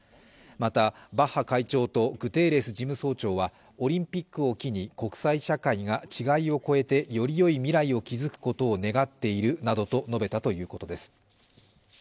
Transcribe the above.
また、バッハ会長とグテーレス事務総長はオリンピックを機に国際社会が違いを越えてよりよい未来を築くことを願っているなどと述べたということです。